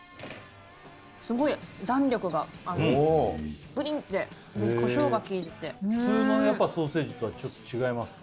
すごい弾力があるぷりんってでコショウがきいてて普通のやっぱソーセージとはちょっと違いますか？